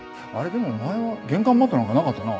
でも前は玄関マットなんかなかったな？